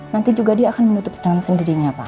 nanti juga dia akan menutup dengan sendirinya pak